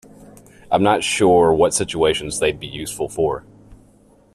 I'm not sure what situations they'd be useful for.